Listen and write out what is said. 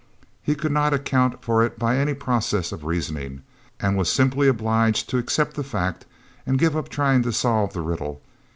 He could not account for it by any process of reasoning, and was simply obliged to accept the fact and give up trying to solve the riddle.